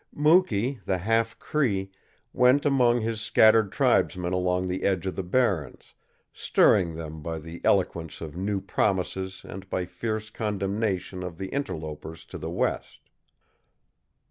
Mukee, the half Cree, went among his scattered tribesmen along the edge of the barrens, stirring them by the eloquence of new promises and by fierce condemnation of the interlopers to the west.